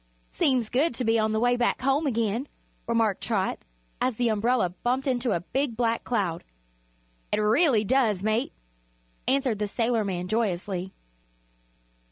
"Seems good to be on the way home again," remarked Trot, as the umbrella bumped into a big black cloud. "It reely does, mate," answered the sailorman, joyously.